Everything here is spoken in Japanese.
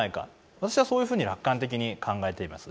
私はそういうふうに楽観的に考えています。